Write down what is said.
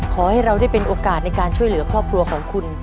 ขอให้เราได้เป็นโอกาสในการช่วยเหลือครอบครัวของคุณ